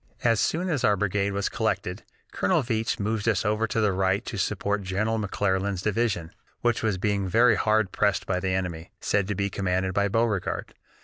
"As soon as our brigade was collected, Colonel Veatch moved us over to the right to support General McClernand's division, which was being very hard pressed by the enemy, said to be commanded by Beauregard.